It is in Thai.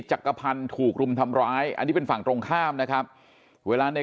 จักรพันธ์ถูกรุมทำร้ายอันนี้เป็นฝั่งตรงข้ามนะครับเวลาใน